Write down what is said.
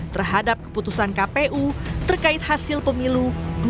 terhadap keputusan kpu terkait hasil pemilu dua ribu dua puluh empat